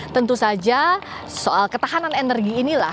tentu saja soal ketahanan energi inilah